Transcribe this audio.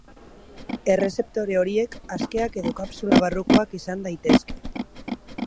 Errezeptore horiek askeak edo kapsula barrukoak izan daitezke.